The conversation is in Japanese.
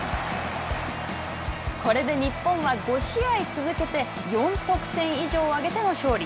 これで日本は５試合続けて４得点以上を挙げての勝利。